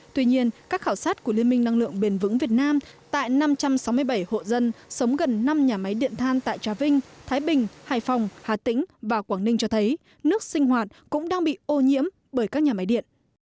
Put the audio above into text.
tuy nhiên các khảo sát của liên minh năng lượng bền vững việt nam tại năm trăm sáu mươi bảy hộ dân sống gần năm nhà máy điện than tại trà vinh thái bình hải phòng hà tĩnh và quảng ninh cho thấy nước sinh hoạt cũng đang bị ô nhiễm bởi các nhà máy điện